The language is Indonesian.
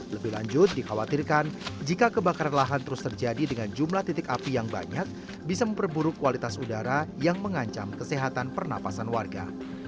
lebih lanjut dikhawatirkan jika kebakaran lahan terus terjadi dengan jumlah titik api yang banyak bisa memperburuk kualitas udara yang mengancam kesehatan pernafasan warga